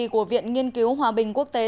của viện nghiên cứu hòa bình quốc tế